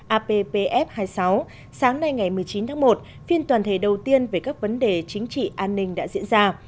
appf hai mươi sáu sáng nay ngày một mươi chín tháng một phiên toàn thể đầu tiên về các vấn đề chính trị an ninh đã diễn ra